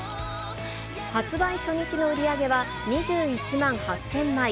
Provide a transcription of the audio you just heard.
発売初日の売り上げは、２１万８０００枚。